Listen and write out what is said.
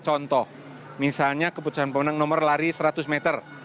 contoh misalnya keputusan pemenang nomor lari seratus meter